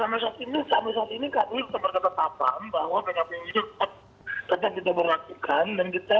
sampai saat ini kpu sudah berkata tatam bahwa pengapun yuk tetap kita berlakukan dan kita